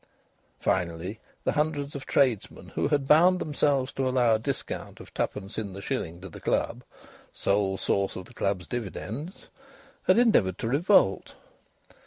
Finally the hundreds of tradesmen who had bound themselves to allow a discount of twopence in the shilling to the club (sole source of the club's dividends) had endeavoured to revolt.